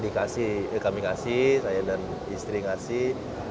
kami kasih saya dan istri kasih